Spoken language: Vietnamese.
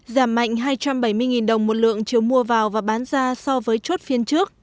giảm mạnh hai trăm bảy mươi đồng một lượng chiều mua vào và bán ra so với chốt phiên trước